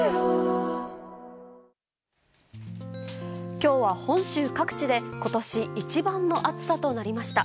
今日は本州各地で今年一番の暑さとなりました。